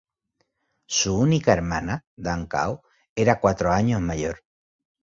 Su única hermana Dan Cao, era cuatro años mayor.